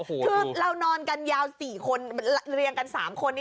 คือเรานอนกันยาว๔คนเรียงกัน๓คน